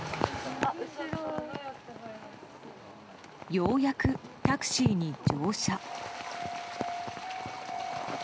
ようやくタクシーに乗車。